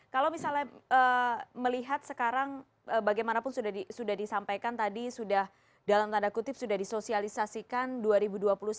kalau misalnya melihat sekarang bagaimanapun sudah disampaikan tadi sudah dalam tanda kutip sudah disosialisasikan dua ribu dua puluh satu